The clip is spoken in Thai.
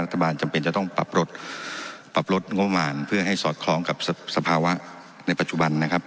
จำเป็นจะต้องปรับลดปรับลดงบประมาณเพื่อให้สอดคล้องกับสภาวะในปัจจุบันนะครับ